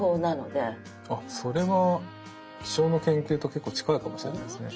あっそれは気象の研究と結構近いかもしれないですね。